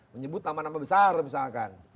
menyebut nama nama besar misalkan